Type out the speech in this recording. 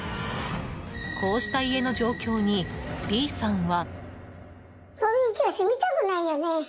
こうした家の状況にＢさんは。